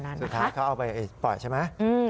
สุดท้ายเขาเอาไปปล่อยใช่ไหม